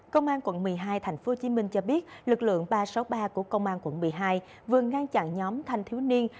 công an quận một mươi hai tp hcm cho biết lực lượng ba trăm sáu mươi ba của công an quận một mươi hai vừa ngăn chặn nhóm thanh thiếu niên